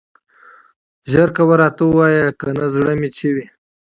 زر کوه راته ووايه کنه زړه مې چوي.